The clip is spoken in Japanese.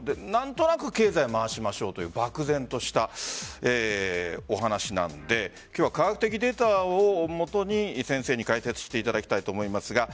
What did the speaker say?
何となく経済を回しましょうという漠然としたお話なので今日は科学的データを基に先生に解説していただきたいと思います。